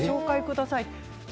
ぜひご紹介ください。